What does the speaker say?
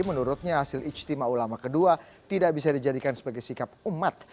menurutnya hasil ijtima ulama kedua tidak bisa dijadikan sebagai sikap umat